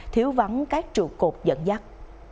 nếu vắng các trụ cột dẫn dắt